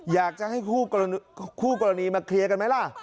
อยากจะให้คู่กรณีมาเคลียร์กันไหมล่ะ